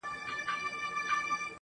یو څوک دي ووایي چي کوم هوس ته ودرېدم .